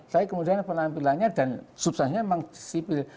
tapi kemudian penampilannya dan subsahnya memang sipil